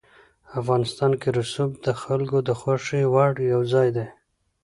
افغانستان کې رسوب د خلکو د خوښې وړ یو ځای دی.